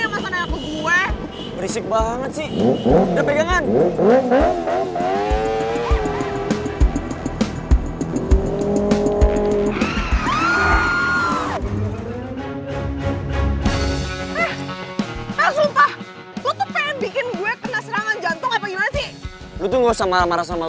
eh eh sumpah bikin gue kena serangan jantung apa gimana sih lu tuh nggak usah marah marah sama